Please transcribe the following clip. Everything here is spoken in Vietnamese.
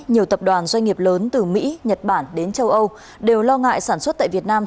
nhiều tập đoàn doanh nghiệp lớn từ mỹ nhật bản đến châu âu đều lo ngại sản xuất tại việt nam